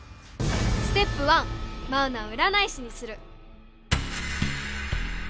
ステップ１「マウナをうらない師にする！」。